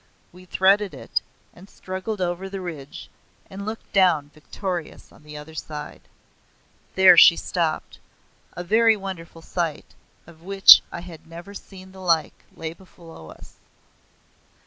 We threaded it, and struggled over the ridge, and looked down victorious on the other side. There she stopped. A very wonderful sight, of which I had never seen the like, lay below us.